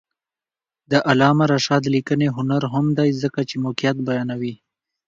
د علامه رشاد لیکنی هنر مهم دی ځکه چې موقعیت بیانوي.